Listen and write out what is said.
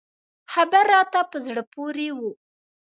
خبر راته په زړه پورې و.